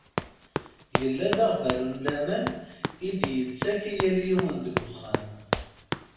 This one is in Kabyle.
Yella d aɣbalu n laman i d-yettak i yal yiwen deg uxxam.